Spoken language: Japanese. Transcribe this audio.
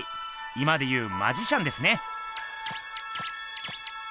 今で言うマジシャンですね。